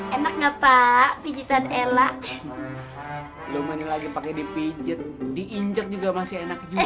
enak enak enak enak lagi pijet diinjak juga masih enak juga